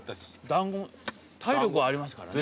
団子体力はありますからね。